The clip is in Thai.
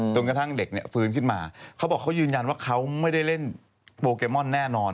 ตรงกันถ้าเด็กฟื้นขึ้นมาเขายือนว่าเขาไม่ได้เล่นโปรแกมอนแน่นอน